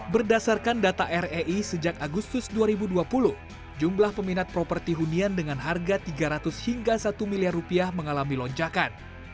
berdasarkan data rei sejak agustus dua ribu dua puluh jumlah peminat properti hunian dengan harga tiga ratus hingga satu miliar rupiah mengalami lonjakan